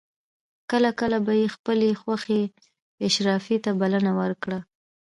کله کله به یې خپلې خوښې اشرافي ته بلنه ورکړه.